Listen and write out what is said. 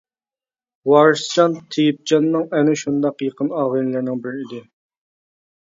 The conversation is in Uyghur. ۋارىسجان تېيىپجاننىڭ ئەنە شۇنداق يېقىن ئاغىنىلىرىنىڭ بىرى ئىدى.